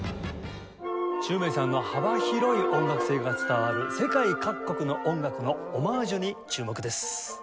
宙明さんの幅広い音楽性が伝わる世界各国の音楽のオマージュに注目です。